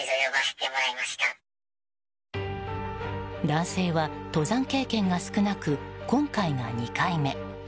男性は登山経験が少なく今回が２回目。